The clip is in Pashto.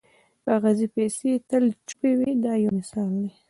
کاغذي پیسې تل چوپې وي دا یو مثال دی.